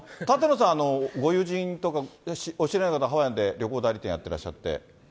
舘野さん、ご友人とか、お知り合いの方、ハワイで旅行代理店やってらっしゃって。